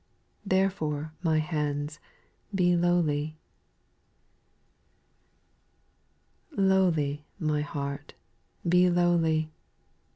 Therefore, my hands, be lowly. 4. Lowly, my heart, be lowly.